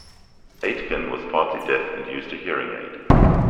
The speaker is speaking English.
Aitken was partly deaf and used a hearing aid.